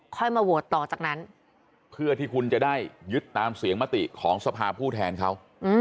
ค่อยมาโหวตต่อจากนั้นเพื่อที่คุณจะได้ยึดตามเสียงมติของสภาผู้แทนเขา